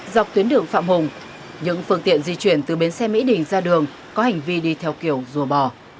dọc tuyến đường phạm hùng những phương tiện di chuyển từ bến xe mỹ đình ra đường có hành vi đi theo kiểu rùa bò